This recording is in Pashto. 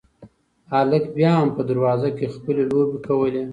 هلک بیا هم په دروازه کې خپلې لوبې کولې.